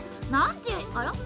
あら？